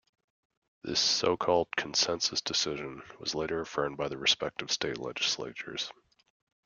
This so-called "consensus decision" was later affirmed by the respective state legislatures.